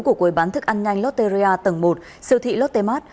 của quầy bán thức ăn nhanh lotte tầng một siêu thị lotte mart